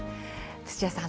土屋さん